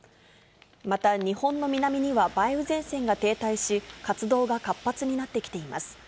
また日本の南には梅雨前線が停滞し、活動が活発になってきています。